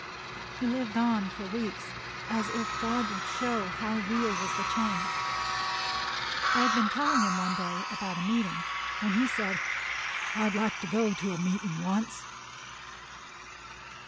He lived on for weeks, as if God would show how real was the change. I had been telling him one day about a meeting, when he said, "I'd like to go to a meetin' once."